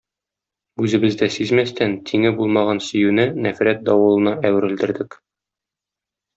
Үзебез дә сизмәстән тиңе булмаган сөюне нәфрәт давылына әверелдердек.